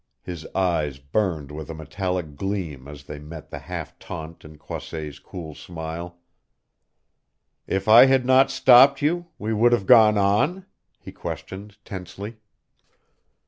His eyes burned with a metallic gleam as they met the half taunt in Croisset's cool smile. "If I had not stopped you we would have gone on?" he questioned tensely.